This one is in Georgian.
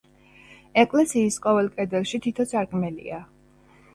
ეკლესიის ყოველ კედელში თითო სარკმელია.